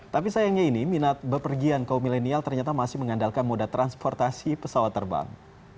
tapi sayangnya ini minat bepergian kaum milenial ternyata masih mengandalkan moda transportasi pesawat terbang